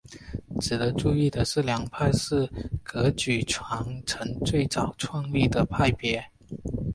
值得注意的是这两派是噶举传承最早创立的派别。